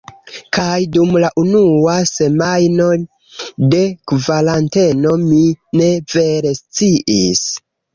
Kaj dum la unua semajno de kvaranteno mi ne vere sciis